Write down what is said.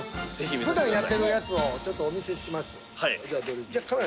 普段やってるやつをちょっとお見せします。